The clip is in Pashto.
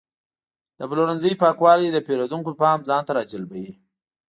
د پلورنځي پاکوالی د پیرودونکو پام ځان ته راجلبوي.